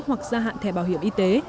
hoặc gia hạn thẻ bảo hiểm y tế